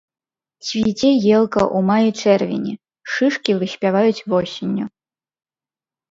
Цвіце елка ў маі-чэрвені, шышкі выспяваюць восенню.